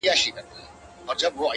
هم داسي ستا دا گل ورين مخ.